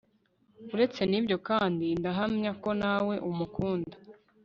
uretse nibyo kandi ndahamya ko nawe umukunda